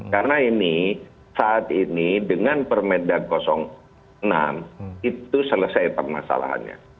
karena ini saat ini dengan permendak enam itu selesai permasalahannya